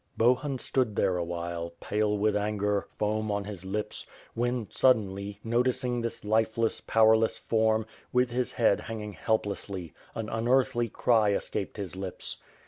Bohun stod there, awhile, pale with anger, foam on his lips, when, suddenly, noticing this lifeless, powerless form, with her head hanging helplessly, an unearthly cry escaped his lips.